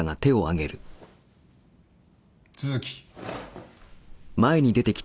都築。